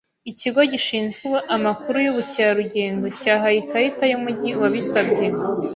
Ikigo gishinzwe amakuru yubukerarugendo cyahaye ikarita yumujyi uwabisabye.